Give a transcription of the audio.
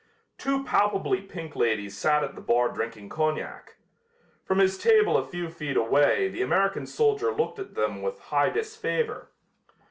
Two palpably pink ladies sat at the bar drinking cognac. From his table a few feet away the American soldier looked at them with high disfavor.